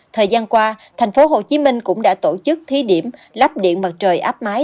thời gian qua tp hcm cũng đã tổ chức thí điểm lắp điện mặt trời áp mái